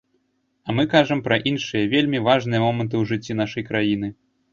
А мы кажам пра іншыя, вельмі важныя моманты ў жыцці нашай краіны.